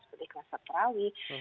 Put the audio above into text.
seperti klaster terawi